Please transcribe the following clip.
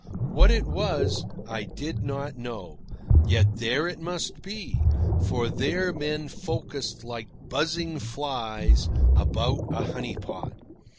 What it was, I did not know; yet there it must be, for there men focused like buzzing flies about a honey pot.